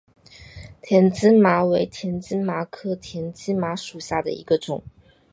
田基麻为田基麻科田基麻属下的一个种。